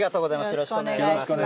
よろしくお願いします。